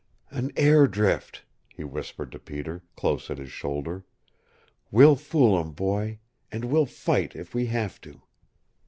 "An air drift," he whispered to Peter, close at his shoulder. "We'll fool 'em, boy. And we'll fight if we have to."